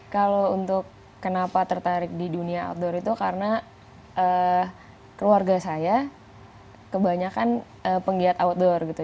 kalau untuk kenapa tertarik di dunia outdoor itu karena keluarga saya kebanyakan penggiat outdoor gitu